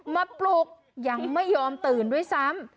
ปลุกยังไม่ยอมตื่นด้วยซ้ำ